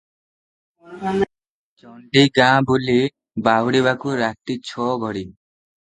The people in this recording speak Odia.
ଚଣ୍ଡୀ ଗାଁ ବୁଲି ବାହୁଡ଼ିବାକୁ ରାତି ଛ ଘଡ଼ି ।